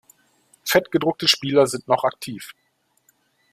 Fett gedruckte Spieler sind noch aktiv.